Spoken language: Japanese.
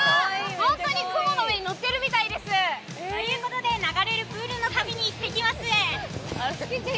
本当に雲の上に乗っているみたいです。ということで流れるプールの旅に行ってきます。